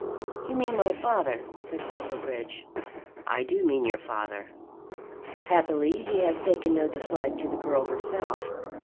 "You mean my father," said Silverbridge. "I do mean your father. Happily he has taken no dislike to the girl herself.